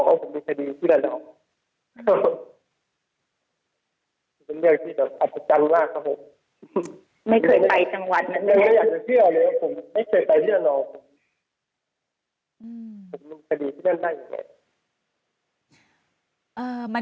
ผมลุงคดีที่เรื่องหน้าอยู่ไหน